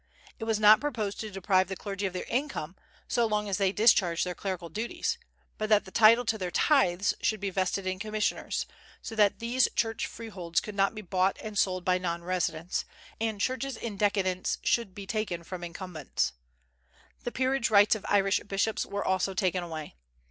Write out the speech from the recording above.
It was not proposed to deprive the clergy of their income, so long as they discharged their clerical duties; but that the title to their tithes should be vested in commissioners, so that these church freeholds could not be bought and sold by non residents, and churches in decadence should be taken from incumbents. The peerage rights of Irish bishops were also taken away.